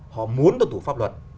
họ muốn tuân thủ pháp luật